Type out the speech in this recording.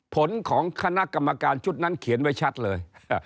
ผลของคณะกรรมการชุดนั้นเขียนไว้ชัดเลย